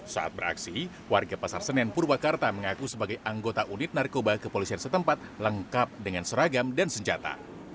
saat beraksi warga pasar senen purwakarta mengaku sebagai anggota unit narkoba kepolisian setempat lengkap dengan seragam dan senjata